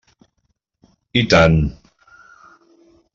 I tant.